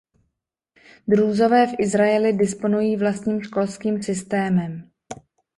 Drúzové v Izraeli disponují vlastním školským systémem.